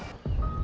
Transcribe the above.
gue kecewa sama lo